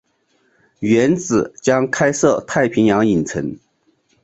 原址将开设太平洋影城。